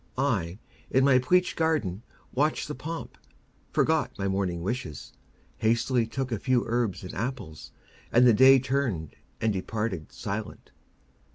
I, in my pleached garden, watched the pomp, Forgot my morning wishes, hastily Took a few herbs and apples, and the Day Turned and departed silent.